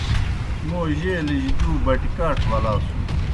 موں جیلِجیُ دُو بٹیْ کاٹھہ ولاسُن۔